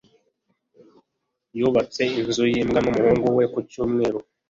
Yubatse inzu yimbwa numuhungu we kucyumweru.